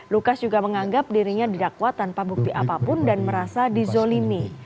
lukas juga menganggap dirinya didakwa tanpa bukti apapun dan merasa dizolimi